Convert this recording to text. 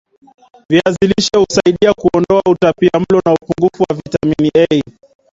viazi lishe husaidia kuondoa utapiamlo na upungufu wa vitamini A